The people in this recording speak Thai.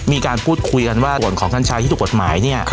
มีการพูดคุยกันว่าส่วนของกัญชาที่ถูกกฎหมายเนี่ย